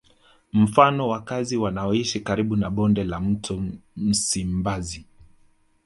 Mfano wakazi wanaoishi karibu na bonde la mto Msimbazi